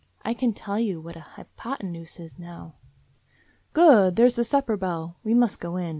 I can tell you what a hypotenuse is now." "Good! There's the supper bell. We must go in.